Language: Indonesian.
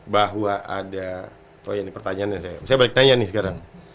bahwa ada oh ini pertanyaannya saya balik tanya nih sekarang